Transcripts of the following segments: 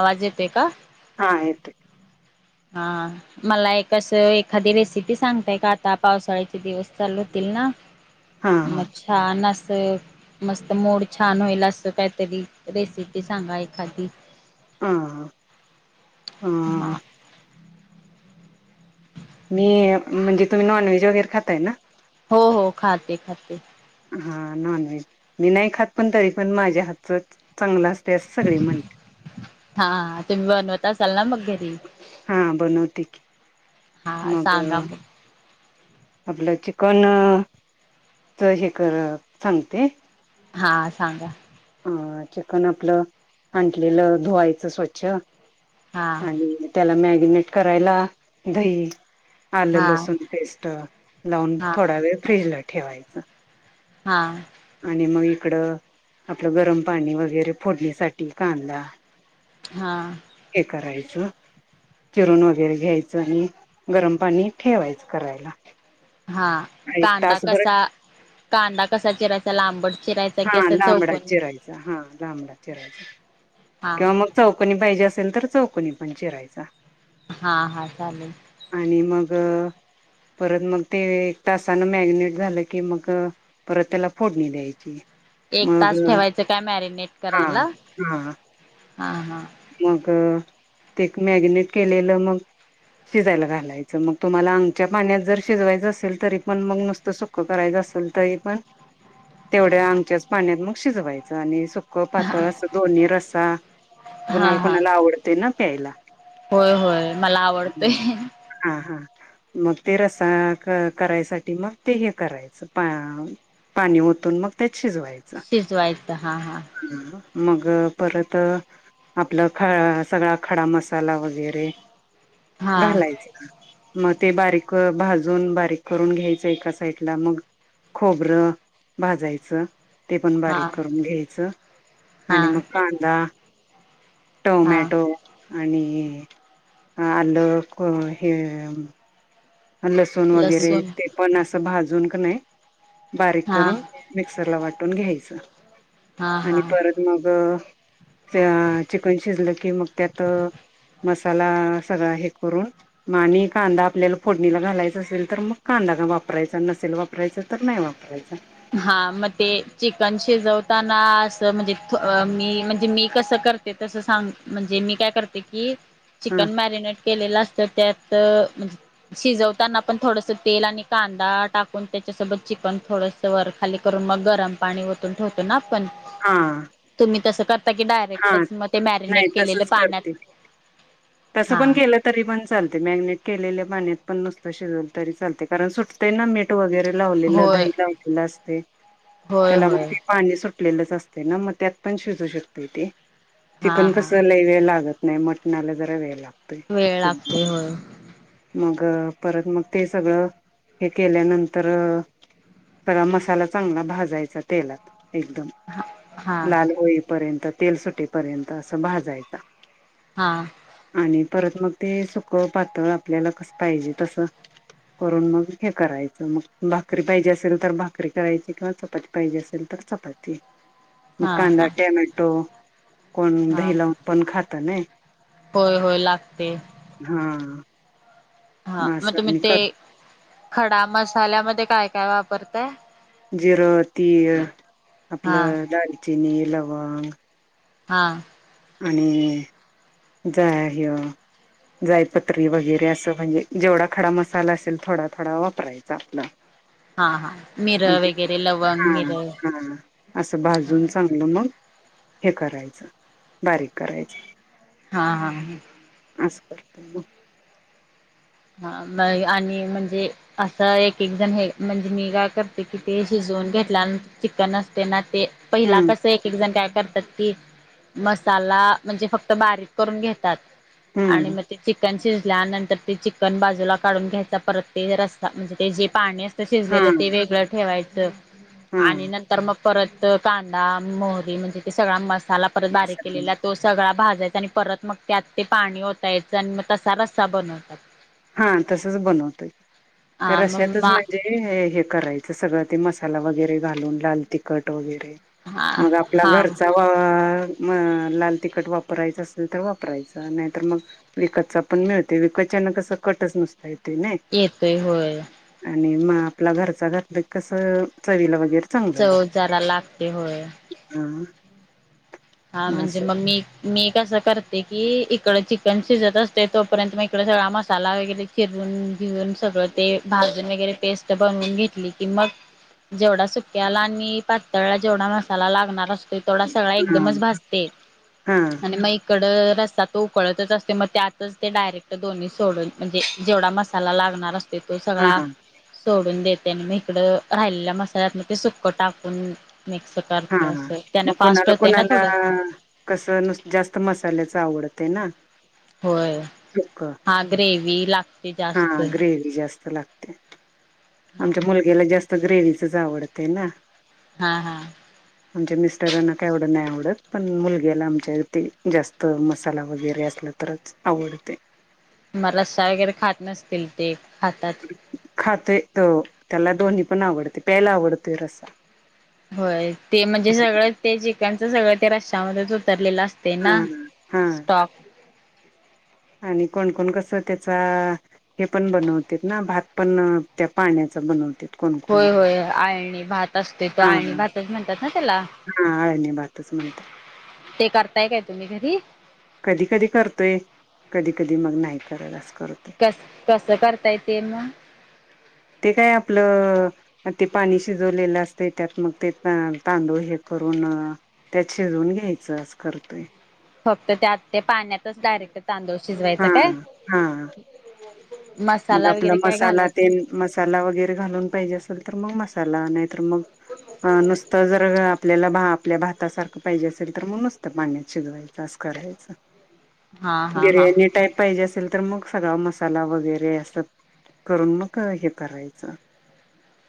आवाज येते का. हा ययेत. हा मला एकस एखादी रेसिपी सांगताय का आता, पावसाळ्याचे दिवस चालू होतील. हा हा अच्छा न असं मस्त मोूड छान होईल असं काहीतरी रेसिपी सांगा एखादी हा हा हम मी म्हणजे तुम्ही नॉनव्हेज वगैरे खातय ना हो हो खाते खाते हा नॉन व्हेज मी नाही खात पण तरी पण माझ्या हातच चांगलं अस ? हा बनवते की हा मग सांगा आपलं चिकन च हे कर सांगते हा सांगा ह चिकन आपलं हटलेलं धुवायचं स्वच्छ हा आणि त्याला मॅगिनेट करायला दही आलं हा लसुण पेस्ट लावून हा थोडा वेळ फ्रीज ला ठेवायचं हा आणि मग इकडं आपलं गरम पाणी वगैरे फोडणीसाठी कादा हा हे करायचं चिरून वगैरे घ्यायचं आणि गरम पाणी ठेवायचं करायला हा एक कांदा तासभर कसा कांदा कसा चीरायचा लांबड हा लामडा चिरायच हा लांबला चिरायचा हा किंवा मग चौकनी पाहिजे असेल तर चौकनी पण चिरायचा हा हा चालेल आणि मग परत मग ते एक तासान मॅगनेट झालं की मग परत त्याला फोडणी द्यायची एक मग तास ठेवायचं काय मॅरिनेट हा करायला हा हा हा मग ते मॅगनेट केलेलं मग शिजायला घालायचं मग तुम्हाला अंगच्या पाण्यात जर शिजवायचं असेल तरी पण मग नुत सुखं करायचं सुरती पनतेवढ्या अंगच्या पाण्यात शिजवायच क पातळ अस दोन्ही रसा हा कुणाला हा कुणाला आवडते ना प्यायला होय होय मला आवडतोय हा ह मग ते रसा करायसाठी मग ते हे करायचं पा पाणी ओतून मग त्याच शिजवायचं शिजवायचं हा हा मग परत आपलं ख सगळा खडा मसाला वगैरे हा घालायच मग ते बारीक भाजून बारीक करून घ्यायचं एका साईडला मग खोबरं भाजायचं ते पण हा बारीक करून घ्यायचं हा आणि मग कांदा हा टोमॅटो आणि आलं क हे लसूण वगैरे लसूण ते पण असं भाजून का नाही बारीक हा करून मिक्सरला वाटून घ्यायचं हा आणि हा परत मग चिकन शिजलं की मग त्यात मसाला सगळा हे करून आणि कांदा आपल्याला फोडणीला घालायचं असेल तर मग कांदा का वापरायचा नसेल वापरायचां तर नाही वापरायचा हा मग ते चिकन शिजवताना अस म्हणजे मी म्हणजे मी कसं करते तस हा म्हणजे मी काय करते की हा चिकन मरेनेट केलल असत तर त्यात मज शिजवताना पण थोडस तेल आणि कांदा टाकून त्याच्यासोबत पण थोडस वर खाली करून मग गरम पाणी वतून ठेवतो ना आपण हा मी तस करता की हा डायरेक्टच मग ते मॅरिनेट केलेलं पाण्यात तस हा पण केलं तरी पण चालते मॅगनेट केलेल पाण्यात पण नुसत शिजव तरी चालते कारण सुटतेय ना मीठ वगैरे लावलेलं होय दही लावलेलं होय त्याला मग होय ते पाणी सुटलेलंच असते, ना मग त्यात पण शिजू शकते ते, हा चिकन कस हा लई वेळ लागत नाही. मटनला जरा वेळ लागत. वेळ ते, लागते होय परत मग ते सगळ हे केल्यानंतर. [unintelligible] मसाला चांगला भाजायचा तेलात, एकदम हा लाल होईपर्यंत तेल सुटेपर्यंत असं भाजायचा. हां. आणि परत मग ते सुक्क पातळ आपल्याला कस, करून मग हे करायचं मग भाकरी पाहिजे असेल तर, भाकरी करायची किंवा चपाती पाहिजे असेल तर चपाती म हा कांदा हा टेम्यटो, कोण हा दही लाऊन पण खात नय. होय होय लागते. हा मग म असं तुम्ही मी ते कर खडा मसाल्यामध्ये काय काय वापरताय? जिरं, तीळ हा आपलं दालचिनी, लवंग हां. आणि जाया ह्यं. जायपत्री वगैरे असं म्हणजे, जेवढा खडा मसाला असेल थोडा थोडा वापरायचा आपला. हा हा [unintelligible] आणि मिरं ते वगैरे लवंग हा मिरं हा असं भाजून चांगलं मग हे करायचं बारीक करायचं. हां हां हा. असं करतोय म. हा मग आणि म्हणजे, असं एक एक जण हे म्हणजे मी काय करते कि ते शिज जवून घेतल्यानं ते चिकन असतय ना, ते पहिला हम्म कस एक एक जण काय करत्यात कि मसाला म्हणजे, फक्त बारीक करून घेतात. आणि हम्म म ते चिकन शिजल्या नंतर- ते चिकन बाजूला काढून घ्यायचा, परत ते रसा म्हणजे ते जे पाणी अस च हा शिजलेलं ते वेगळं ठेवायचं. हा आणि नंतर मग परत कांदा मोहरी म्हणजे, ते सगळा मसाला परत बारीक मसाला केलेला तो सगळा भाजायचा [unintelligible] हा तसच बनवतोय, त्या हा मग रश्यातच मा म्हणजे हे हे करायचं सगळं ते मस साला वगैरे घालून लाल तिखट वगैरे, हा मग आपला हा घरचा वा म लाल तखट वापरायच असेल, तर वापरायच नाहीतर मग विकतचा पण मिळतय विकत च्यानकसं कटच नसतय. येतोय होय. आणि म आपला घरचा घर घातला कि कस चवीला वगैरे चांगलं चव लागत. जरा लागते होय. हा मग म्हणजे असं म मी मी असं करते की इकड चिकन शिजत असतय तोपर्यंत, म इकड सगळा मसाला वगैरे चिर रुन घेऊन सगळं ते भाजून वगैरे पेस्ट बनवून घेतली कि मग जेवढा सुक्याला आणि पातळला जेवढा मसाला लागणार, असतोय तेवढा सगळा हा एकदमच भजते हा आणि मग इकड र सा तो उखळतच असतोय, म त्यातच ते डायरेक्ट दोन्ही सोडून म्हणजे जेवढा मसाला लागणार अस तोय तो हा सगळा हा सोडून देत त्याने म इकडं राहिलेल्या मसाल्यात म ते सुकं टाकून मिक्स करते अस हा त्याने मग फास्ट कोणाला होते ना कोणाला थोडं कस नुस्त जास्त मसाल्याचं आवडतय ना. होय सुक्क हा ग्रेवी लागते हा जास्त. ग्रेवी जास्त लाग हा आमच्या हा. मुलग्याला जास्त ग्रेवीचच आवडतय ना. हां हां. आमच्या मिस्टरांना काय एवढं नाही आवडत पण मुलग्याला आमच्या ते जास्त मसाला वगैरे असला ल तरच आवडतय. म रस्सा वगैरे खात नसतील. ते खातात. खातोय तो त्याला दोन्ही पण आवडतय प्यायला आवडतोय रस्सा. होय ते म्हणजे सगळं ते जिकणच सगळं ते रश्यामध्येच उतरलेलं अस ते हा ना हा स्टॉक. आणि कोणकोण कस त्याचा हे पण बनवत ना भात पण त्या पाण्याच बनवत. होय होय आळणी भात असते तो हा अळणी भातच म्हणतात ना त्याला. हा आळणी भातच म्हणतात ते करताय काय तुम्ही घरी. कधी कधी करतोय कधी कधी मग नाही करत असत. कस कसं करताय ते मग? ते काय आपलं. ते पाणी शिजवलेलं असते त्यात मग ते तांदूळ हे करून त्यात शिजून घ या्यायचं अस करतोय. फक्त त्यात ते पाण्यातच डायरेक्ट तांदूळ शिजवायचा हा काय. हा मग मसाला आपला वगैरे काय मसाला ते घालायचं? मसाला वगैरे घालून पाहिजे असेल तर मग मसाला नाहीतर. तर मग नुसत जर आपल्याला भात. आपल्या भातासारखं पाहिजे असेल तर मग नुसतं पाण्यात शिजवायचं असस करायच. हा हा हा. बिर्याणी टाईप पाहिजे असेल तर मग सगळा मसाला वगैरे. व अस करून मग हे करायचं.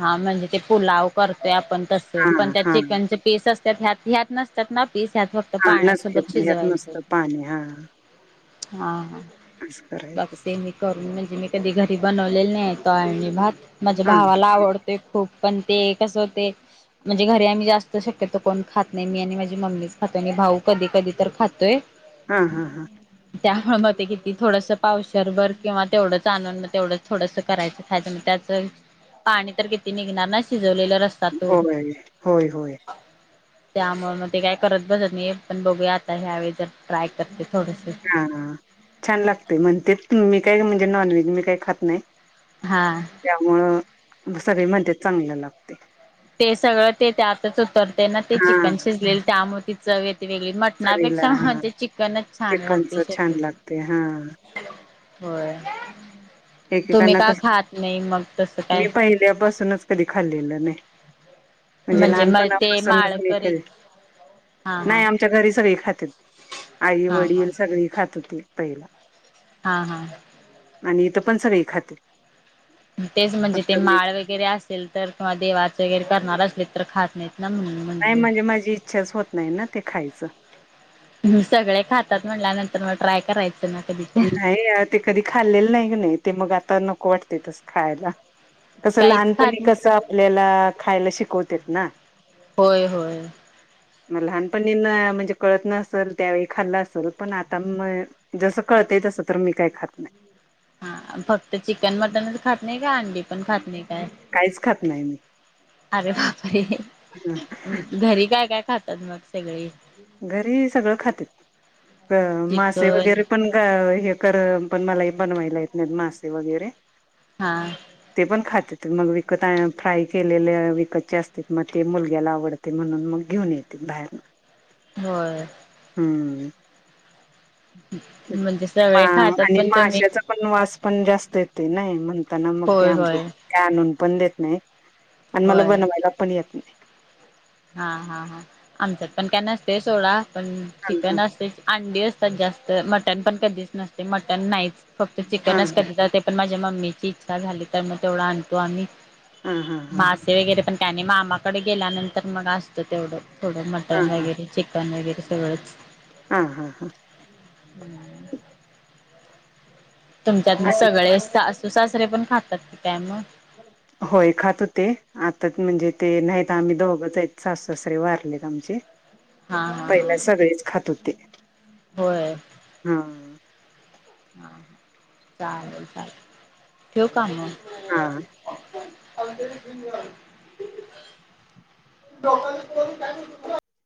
हा म्हणजे ते पुलाव करतोय आपण तस हा पण त्यात हा चिकनच पीस असत त्यात ह्यात ह्यात नसतात ना पीस ह्यात फक्त हा नसते पाण्यासोबत ह्यात शिजवायच. नुसतं पाणी हा हा हा असं बघ करायचं ते असते मी करून म्हणजे मी कधी घरी बनवलेले नाही आजून. आळनी भात माझ्या हा भावाला आवडतो खूप पण ते कस होते. म्हणजे घरी आम्ही जास्त शक्यतो कोण खात नाही मी आणि माझी मम्मीच खातो आणि भाऊ कधी कधी तर खातोय. हा हा हा. त्यामुळे मग ते किती थोडसं पावसरभर किंवा तेवढंच आनून तेवढंच थोडंसं करायचं खायचं, पाणी तर किती निघणार शी जवलेला रस्ता तो. होय होय होय त्यामुळे मग ते काय करत बसत नाही पण बघूया आता ह्या वळी जर ट्राय करते. थोडस हा छान लागते म्हणते मी काही म्हणजे नॉन व्हेज मी काही खात नाही. हा त्यामुळं सगळी मध्येत चांगलं लागते. ते सगळं ते ते आताच उतरते ना ते हा चिकन शिजलेले त्यामुळे ति चवेत येती. वेगळी चवीला मटणापेक्षा हा म्हणजे चिकनच छान चिकनच लागते. छान लागते हा होय. तुम्ही एकेकांना का कस खात नाही मग तसं काय. मी पहिल्यापासूनच कधी खाल्लेलं नाही म्हणजे लहान म पणा ते पासुनच मी माळकरी कधी हा हा नाही आमच्या घरी सगळी खातात आई हा हा वडील सगळी खात होते. पाहिला. हा हा. आणि इथं पण सगळे खाते. तेच म्हणजे ते फक्त मीच माळ वगैरे असेल तर किंवा देवाच वगैरे करणार असले तर खात नाही. नाही म्हणजे माझी इच्छाच होत नाही ना ते खायचं. सगळे खातात म्हणल्यानंतर मग ट्राय करायचं. ना कधी तर नाही ते कधी खाल्लेलं नाही नाही ते मग आता नको वाटते तस खायला. कसं काहीच खात लहानपणी नाही कसं आपल्याला खायला शिकवते त. ना होय होय. म लहानपणी म्हणजे कळत नसल त्यावेळी खाल्ला असेल पण आता म जस कळतय तस तर मी काही खात नाही. हा फक्त चिकन मटनच खात नाही का अंडी पण खात नाही. काहीच खात नाही मी. अरे बापे हं. घरी काय काय, खातात मग सगळे. घरी सगळं खातेत मासे चिकन वगैरे पण हे. पण मला बनवायला येत नाही मासे वगैरे, हा ते पण खातेत. मग विकत फ्राय केलेले विकतचे असते मग ते मुलग्याला आवडते म्हणून मग घेऊन येते. बाहेरुन. होय. हम्म. म्हणजेस. आणि माशाचा पण वास पण जास्त येते नाही म्हणताना मग ते होय आमचे होय आणून पण देत नाही. आण मला होय बनवायला पण येत नाही. हा हा हा आमच्यात पण काय नसते सोडा पण चिकन असते, अंडी अस ते जास्त मटन पण कधीच नसते मटन नाहीच फक्त हा हा चिकनच कधी जाते पण माझे म्मीची इच्छा झाली तर मग तेवढ आणतो आम्ही हा हा हा मासे वगैरे पण आणि मामाकडे गेल्यानंतर मग असतं तेवढं थोडं हा मटन वगैरे, चिकन वगैरे सगळच. हा हा हा. ह् [inaudible] तुमच्यात आणि सगळे सासू सासरे पण खातात काय म. होय खात होते आता म्हणजे ते नाहीत आम्ही दोघंचे सासू ससरे वारलेत आमचे. हा हा पहिला हा सगळेच खात होते. होय हा. हा चालेल चालेल ठेउ का अन् म.. हा अरी लोक काय [unintelligible]